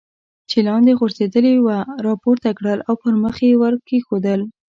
چې لاندې غورځېدلې وه را پورته کړل او پر مخ یې ور کېښودل.